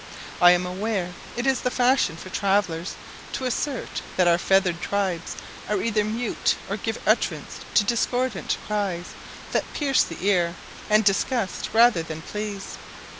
I am aware it is the fashion for travellers to assert that our feathered tribes are either mute or give utterance to discordant cries that pierce the ear, and disgust rather than please.